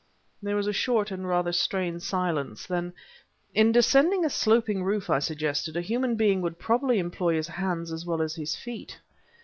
There was a short and rather strained silence. Then: "In descending a sloping roof," I suggested, "a human being would probably employ his hands as well as his feet."